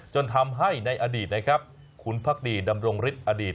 จนทำให้ในอดีตนะครับคุณพักดีดำรงฤทธิอดีต